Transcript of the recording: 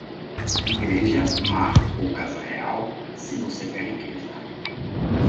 Igreja, mar ou casa real, se você quer riqueza.